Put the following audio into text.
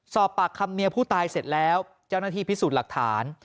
สอบปากคำเมียผู้ตายเสร็จแล้วเจ้าหน้าที่พิสูจน์หลักฐาน